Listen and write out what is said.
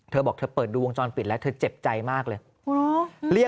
เธอบอกเธอเปิดดูวงจรปิดแล้วเธอเจ็บใจมากเลย